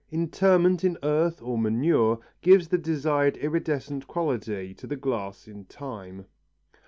Interment in earth or manure gives the desired iridescent quality to the glass in time.